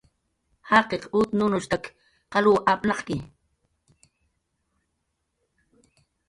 "Jaqiq ut nurnushp""tak qalw apnaq""ki "